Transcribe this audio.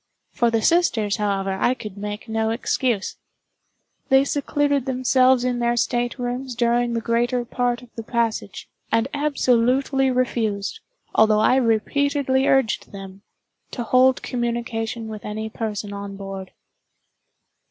For the sisters, however, I could make no excuse. They secluded themselves in their staterooms during the greater part of the passage, and absolutely refused, although I repeatedly urged them, to hold communication with any person on board.